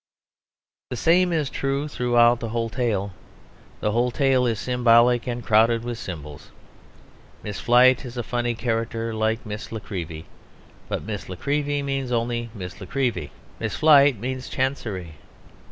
The same is true throughout the whole tale; the whole tale is symbolic and crowded with symbols. Miss Flite is a funny character, like Miss La Creevy, but Miss La Creevy means only Miss La Creevy. Miss Flite means Chancery.